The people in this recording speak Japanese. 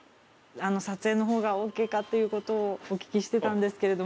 撮影の方がＯＫかということをお聞きしてたんですけれども。